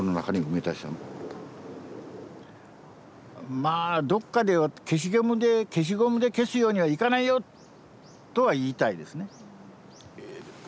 まあどっかで「消しゴムで消すようにはいかないよ」とは言いたいですね